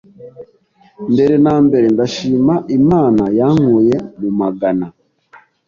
mbere na mbere ndashima Imana yankuye mu Magana